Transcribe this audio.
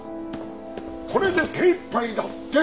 これで手いっぱいだって。